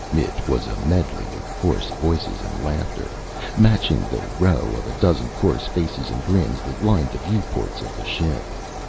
It was a medley of coarse voices and laughter, matching the row of a dozen coarse faces and grins that lined the view ports of the ship.